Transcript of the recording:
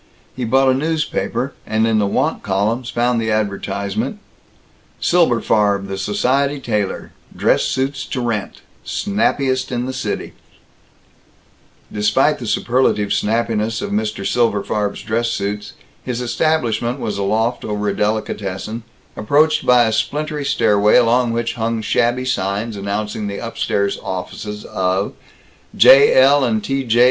He bought a newspaper, and in the want columns found the advertisement: Silberfarb the Society Tailor DRESS SUITS TO RENT Snappiest in the City Despite the superlative snappiness of Mr. Silberfarb's dress suits his establishment was a loft over a delicatessen, approached by a splintery stairway along which hung shabby signs announcing the upstairs offices of "J. L. & T. J.